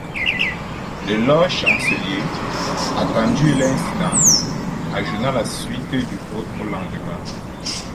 Le lord-chancelier, « attendu l’incident », ajourna la suite du vote au lendemain.